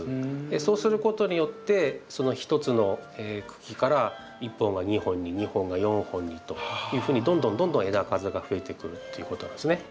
そうすることによって１つの茎から１本が２本に２本が４本にというふうにどんどんどんどん枝数がふえてくっていうことなんですね。